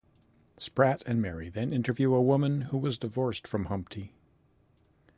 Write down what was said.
Spratt and Mary then interview a woman who was divorced from Humpty.